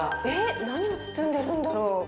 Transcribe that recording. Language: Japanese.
えっ何を包んでるんだろう？